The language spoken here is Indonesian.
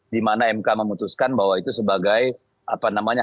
dimana mk memutuskan bahwa itu sebagai apa namanya